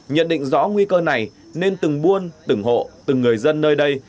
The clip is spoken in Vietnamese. nhận định rõ nguy cơ này nên từng buôn từng hộ từng người dân nơi đây